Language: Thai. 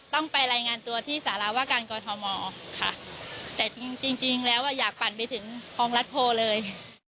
ต้องไปรายงานตัวที่สารวาการกอทมค่ะแต่จริงจริงแล้วอยากปั่นไปถึงคลองรัฐโพลเลย